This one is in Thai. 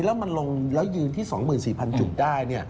แล้วมันลงแล้วยืนที่๒๔๐๐จุดได้